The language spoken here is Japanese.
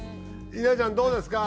稲ちゃんどうですか？